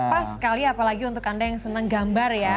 pas sekali apalagi untuk anda yang senang gambar ya